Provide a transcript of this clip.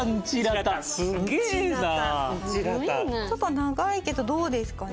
ちょっと長いけどどうですかね。